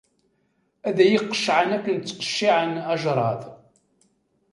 Ad iyi-qeccɛen akken i ttqecciɛen ajrad.